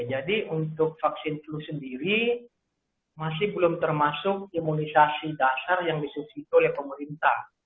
jadi untuk vaksin flu sendiri masih belum termasuk imunisasi dasar yang disubsidi oleh pemerintah